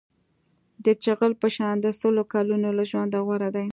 د چغال په شان د سل کلونو له ژونده غوره دی.